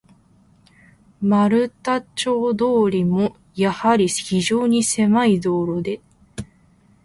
丸太町通も、やはり非常にせまい道路で、